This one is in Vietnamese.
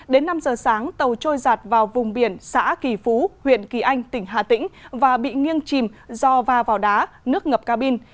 đến năm giờ sáng tàu trôi giạt vào vùng biển xã kỳ phú huyện kỳ anh tỉnh hà tĩnh và bị nghiêng chìm do va vào đá nước ngập ca bin